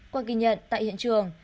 qua ghi nhận tại hiện trường